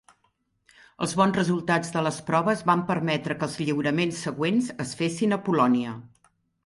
Els bons resultats de les proves van permetre que els lliuraments següents es fessin a Polònia.